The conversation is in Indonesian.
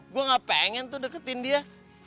gue gak pengen tuh deketin dia